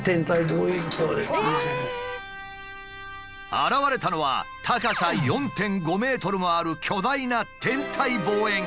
現れたのは高さ４．５ｍもある巨大な天体望遠鏡。